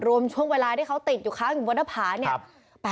รวมช่วงเวลาที่เขาติดอยู่ข้างบนภาพ